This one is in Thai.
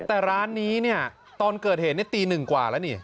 แต่ร้านนี้เนี่ยตอนเกิดเหตุนี่ตีหนึ่งกว่าแล้วนี่